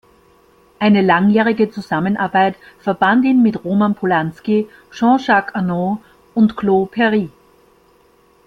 Eine langjährige Zusammenarbeit verband ihn mit Roman Polański, Jean-Jacques Annaud und Claude Berri.